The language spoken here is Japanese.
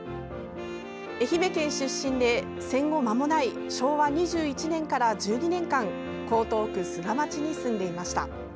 愛媛県出身で、戦後まもない昭和２１年から１２年間江東区砂町に住んでいました。